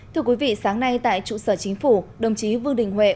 thưa quý vị sáng nay tại trụ sở chính phủ đồng chí vương đình huệ